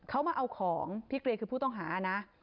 เขามาเอาของพี่เกลียคือผู้ต้องหานะ